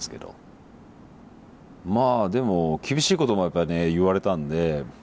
まあでも厳しいこともやっぱりね言われたんで。